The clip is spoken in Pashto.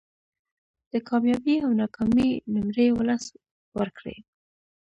د کامیابۍ او ناکامۍ نمرې ولس ورکړي